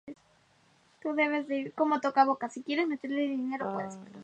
Durante este tiempo se da la vuelta y se lavan.